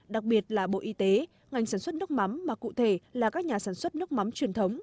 đặc biệt là bộ y tế ngành sản xuất nước mắm mà cụ thể là các nhà sản xuất nước mắm truyền thống